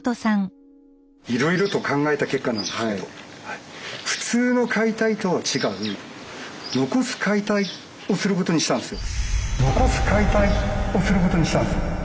いろいろと考えた結果なんですけど残す解体をすることにしたんですよ。